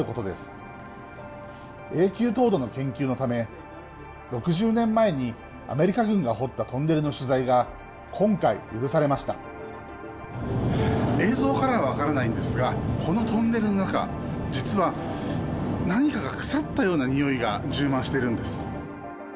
永久凍土の研究のため６０年前にアメリカ軍が掘ったトンネルの取材が今回許されました映像からは分からないんですがこのトンネルの中実は何かが腐ったようなにおいが充満しているんです。